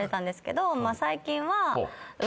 最近は。